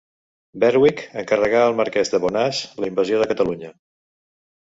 Berwick encarregà al marquès de Bonàs la invasió de Catalunya.